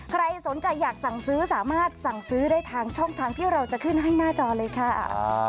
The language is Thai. ใครสนใจอยากสั่งซื้อสามารถสั่งซื้อได้ทางช่องทางที่เราจะขึ้นให้หน้าจอเลยค่ะ